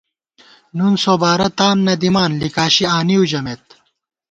نُن سوبارہ تان نہ دِمان ، لِکاشی آنِؤ ژَمېت